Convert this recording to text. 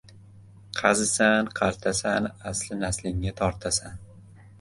Qazisan, qartasan, asli naslingga tortasan!